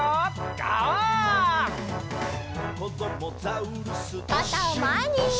かたをまえに！